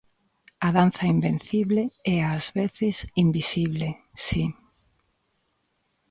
A danza invencible, e ás veces invisible, si.